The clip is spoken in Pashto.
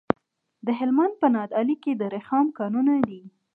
د هلمند په نادعلي کې د رخام کانونه دي.